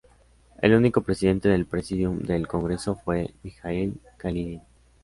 El único Presidente del Presidium del Congreso fue Mijaíl Kalinin.